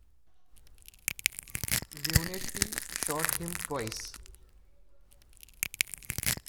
Leonetti shot him twice.